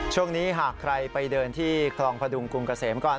ช่วงนี้หากใครไปเดินที่คลองพดุงกรุงเกษมก่อน